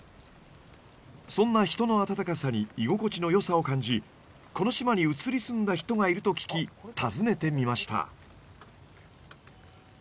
そんな人の温かさに居心地のよさを感じこの島に移り住んだ人がいると聞き訪ねてみました。